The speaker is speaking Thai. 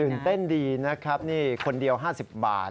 เต้นดีนะครับนี่คนเดียว๕๐บาท